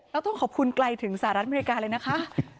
แล้วต้องขอบคุณไกลถึงสหรัฐอเมริกาเลยนะคะ